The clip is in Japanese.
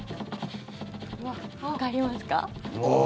わかりますか？